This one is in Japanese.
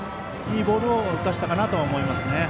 いいボールを打たせたかなと思いますね。